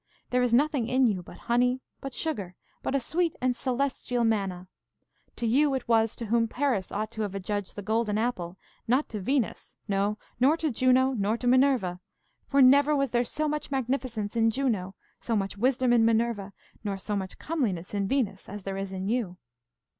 There is nothing in you but honey, but sugar, but a sweet and celestial manna. To you it was to whom Paris ought to have adjudged the golden apple, not to Venus, no, nor to Juno, nor to Minerva, for never was there so much magnificence in Juno, so much wisdom in Minerva, nor so much comeliness in Venus as there is in you.